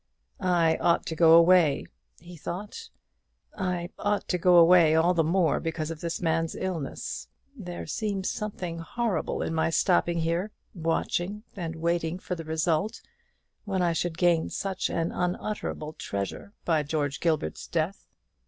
"I ought to go away," he thought; "I ought to go away all the more because of this man's illness. There seems something horrible in my stopping here watching and waiting for the result, when I should gain such an unutterable treasure by George Gilbert's death."